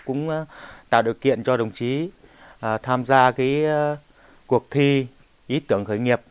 cũng tạo điều kiện cho đồng chí tham gia cuộc thi ý tưởng khởi nghiệp